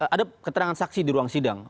ada keterangan saksi di ruang sidang